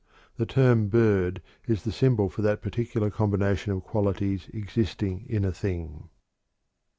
The term "bird" is the symbol for that particular combination of qualities existing in a thing.